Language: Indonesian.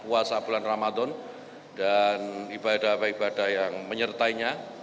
puasa bulan ramadan dan ibadah apa ibadah yang menyertainya